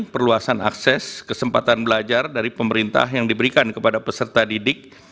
perluasan akses kesempatan belajar dari pemerintah yang diberikan kepada peserta didik